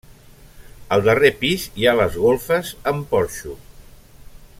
Al darrer pis hi ha les golfes amb porxo.